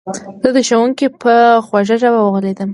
زه د ښوونکي په خوږه ژبه وغولېدم